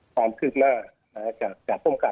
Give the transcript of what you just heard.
ความขึ้นหน้าจากผู้กรับ